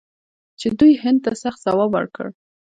چې دوی هند ته سخت ځواب ورکړ.